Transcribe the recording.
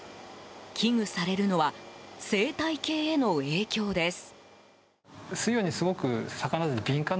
危惧されるのは生態系への影響です。